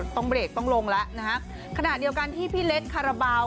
ต้องเบรกต้องลงแล้วนะฮะขณะเดียวกันที่พี่เล็กคาราบาล